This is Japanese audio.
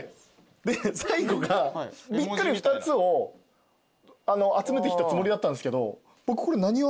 で最後がびっくり２つを集めてきたつもりだったんですけど僕これ何を集めた。